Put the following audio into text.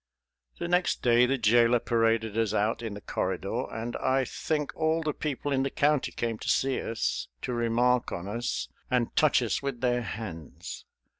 The next day the jailer paraded us out in the corridor, and I think all the people in the county came to see us, to remark on us, and touch us with their hands.